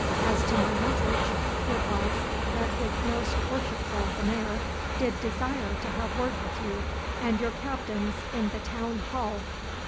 As to my message, it was that his most worshipful the Mayor did desire to have word with you and your captains in the town hall.